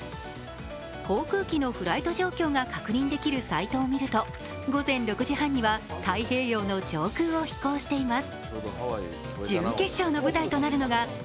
航空機のフライト状況が確認できるサイトを見ると、午前６時半には太平洋の上空を飛行しています。